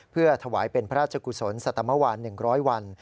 เพื่อถวายเป็นพระราชกุศลสัตมวาน๑๐๐วัน